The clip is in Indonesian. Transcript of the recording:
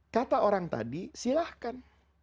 kata orang tadi silahkan